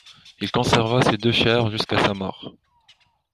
Il conserva ces deux chaires jusqu'à sa mort.